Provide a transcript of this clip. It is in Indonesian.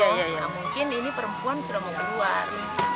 ya ya ya mungkin ini perempuan sudah mau keluar